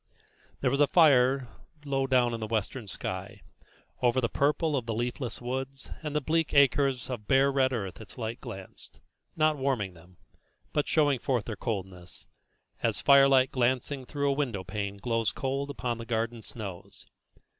There was a fire low down in the western sky; over the purple of the leafless woods and the bleak acres of bare red earth its light glanced, not warming them, but showing forth their coldness, as firelight glancing through a window pane glows cold upon the garden snows.